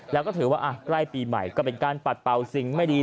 แล้วก็ถือว่าใกล้ปีใหม่ก็เป็นการปัดเป่าสิ่งไม่ดี